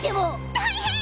大変！